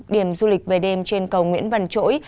điểm du lịch về đêm trên cầu nguyễn văn chỗi